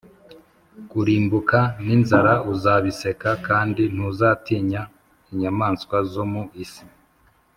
Kurimbuka n’inzara uzabiseka, Kandi ntuzatinya inyamaswa zo mu isi.